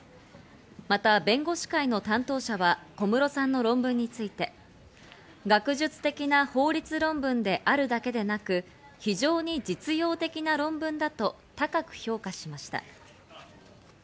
また弁護士会の担当者は小室さんの論文について学術的な法律論文であるだけでなく、非常に実用的な論文だと高く評価しました。